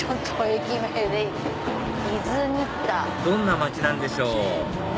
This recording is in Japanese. どんな町なんでしょう？